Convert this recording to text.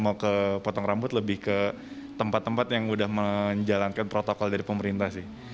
mau ke potong rambut lebih ke tempat tempat yang udah menjalankan protokol dari pemerintah sih